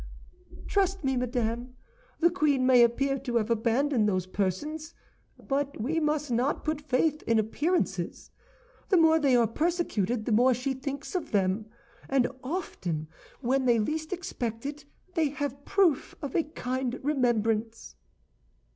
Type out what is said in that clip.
"Trust me, madame; the queen may appear to have abandoned those persons, but we must not put faith in appearances. The more they are persecuted, the more she thinks of them; and often, when they least expect it, they have proof of a kind remembrance."